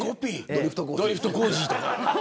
ドリフトコージー。